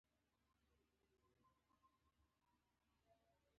رومي اعیانو او اشرافو ځانګړې کرنیزې ځمکې درلودې.